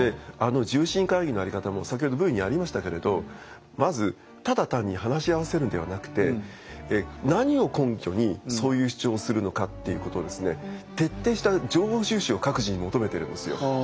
重臣会議のやり方も先ほどＶにありましたけれどまずただ単に話し合わせるんではなくて何を根拠にそういう主張をするのかっていうことを徹底した情報収集を各自に求めてるんですよ。